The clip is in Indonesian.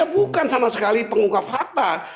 bukan sama sekali pengungkap fakta